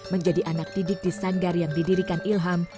menjadi anak didik di sanggar yang didirikan ilham